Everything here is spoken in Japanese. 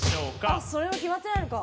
あそれも決まってないのか。